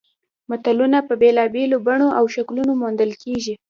متلونه په بېلابېلو بڼو او شکلونو موندل کیږي